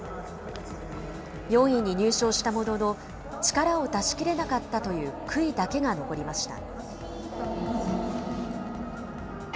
４位に入賞したものの、力を出し切れなかったという悔いだけが残りました。